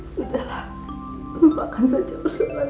sudahlah lupakan saja bersama ibu